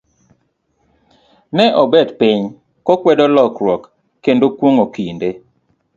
ne obet piny, kokwedo lokruok, kendo kuong'o kinde.